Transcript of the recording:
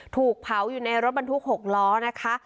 ถูกเผาอยู่ในรถบรรทุก๖ล้อนะคะ